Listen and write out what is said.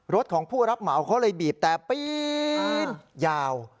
รถของผู้รับเหมาเขาเลยบีบแต่ปีนยาว